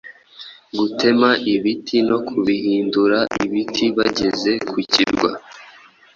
gutema ibiti no kubihindura ibiti Bageze ku kirwa